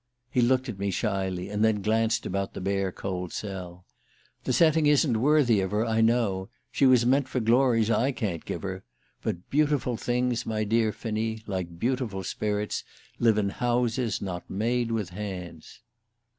He looked at me shyly, and then glanced about the bare cold cell. "The setting isn't worthy of her, I know; she was meant for glories I can't give her; but beautiful things, my dear Finney, like beautiful spirits, live in houses not made with hands..."